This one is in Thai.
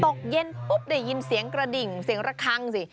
ตกเย็นปุ๊บได้ยินเสียงกระดิ่งเสียงระคังสิ